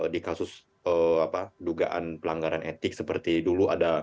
di kasus dugaan pelanggaran etik seperti dulu ada